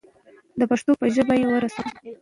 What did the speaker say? د پښتو په ژبه یې ورسوو.